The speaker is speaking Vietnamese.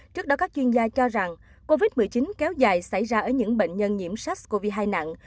trước đó các chuyên gia cho rằng covid một mươi chín kéo dài xảy ra ở những bệnh nhân nhiễm sars cov hai nặng